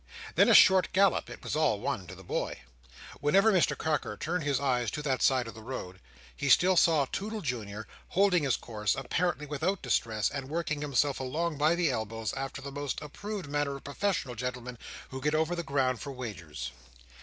Then a short gallop; it was all one to the boy. Whenever Mr Carker turned his eyes to that side of the road, he still saw Toodle Junior holding his course, apparently without distress, and working himself along by the elbows after the most approved manner of professional gentlemen who get over the ground for wagers.